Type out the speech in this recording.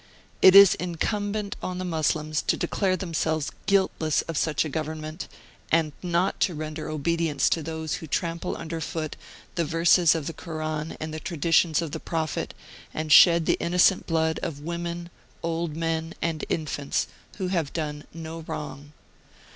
It is incumbent on the Moslems to declare them selves guiltless of such a Government, and not to render obedience to those who trample under foot the Verses of the Koran and the Traditions of the Prophet, and shed the innocent blood of women, old men and infants, who have done no wrong.